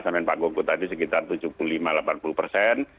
sampai pak goko tadi sekitar tujuh puluh lima delapan puluh persen